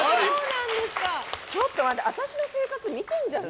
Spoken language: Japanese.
ちょっと、私の生活見ているんじゃない？